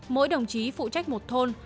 mỗi đồng chí phụ trách một thôn